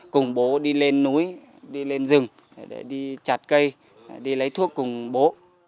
cùng bố đi lên núi đi lên rừng để đi chặt cây đi lấy thuốc cùng bố